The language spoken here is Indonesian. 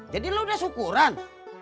jadi lo udah syukuran